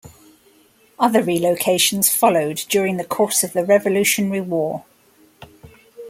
Other relocations followed during the course of the Revolutionary War.